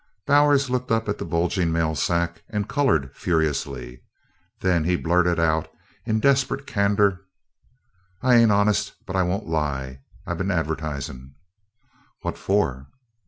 Bowers looked up at the bulging mail sack and colored furiously. Then he blurted out in desperate candor: "I ain't honest, but I won't lie I been advertisin'." "What for?"